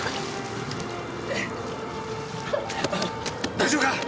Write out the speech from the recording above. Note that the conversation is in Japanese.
大丈夫か？